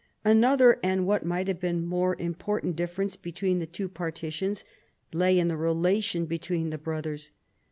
Another, and what might have been a more im portant difference between the two partitions, lay in the relation between the brothers.